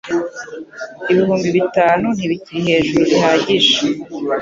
Ibihumbi bitanu ntibikiri hejuru bihagije.